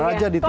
raja di tiktok